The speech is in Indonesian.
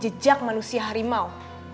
kay udah ngejak manusia harimau